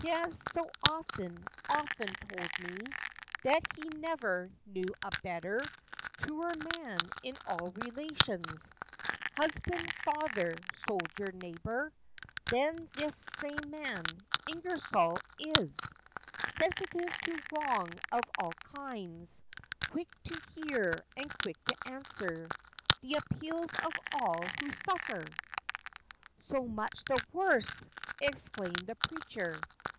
3 1 Has so often, often told me That he never knew a better, Truer man in all relations— Husband, father, soldier, neighbor— Than this same man, Ingersoll, is; Sensitive to wrong of all kinds; Quick to hear, and quick to answer, The appeals of all who suffer "— "So much the worse!" exclaimed the preacher.